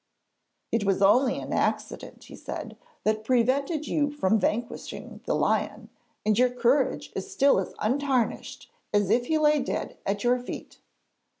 'It was only an accident,' he said, 'that prevented you from vanquishing the lion, and your courage is still as untarnished as if he lay dead at your feet.'